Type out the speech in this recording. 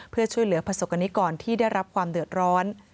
เพื่อช่วยเหลือประสบกรณิกรที่ได้รับความเดือดร้อน